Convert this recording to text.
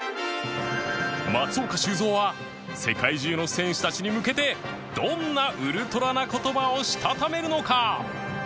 松岡修造は世界中の選手たちに向けてどんなウルトラな言葉をしたためるのか？